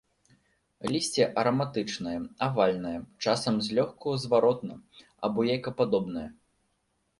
Лісце араматычнае, авальнае, часам злёгку зваротна- або яйкападобнае.